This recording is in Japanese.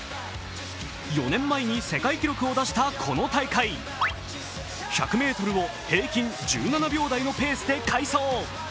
４年前に世界記録を出したこの大会１００ｍを平均１７秒台のペースで快走。